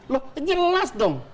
loh jelas dong